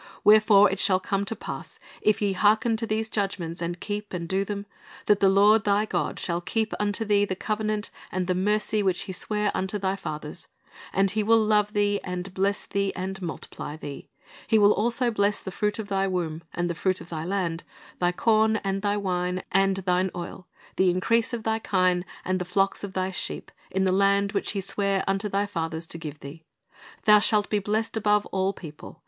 Wherefore it shall come to pass, if ye hearken to these judgments, and keep, and do them, that the Lord thy God shall keep unto thee the cov^enant and the mercy which He sware unto thy fathers; and He will love thee, and bless thee, and multiply thee: He will also bless the fruit of thy womb, and the fruit of thy land, thy corn, and thy wine, and thine oil, the increase of thy kine, and the flocks of thy sheep, in the land which He sware unto thy fathers to give thee. Thou shalt be blessed above all people.